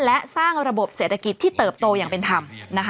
และสร้างระบบเศรษฐกิจที่เติบโตอย่างเป็นธรรม